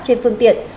trên phương tiện